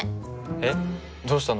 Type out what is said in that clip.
えっどうしたの？